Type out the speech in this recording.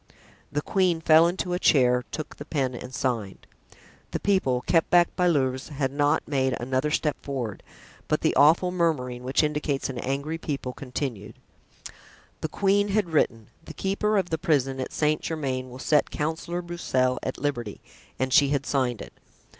The queen fell into a chair, took the pen and signed. The people, kept back by Louvieres, had not made another step forward; but the awful murmuring, which indicates an angry people, continued. The queen had written, "The keeper of the prison at Saint Germain will set Councillor Broussel at liberty;" and she had signed it.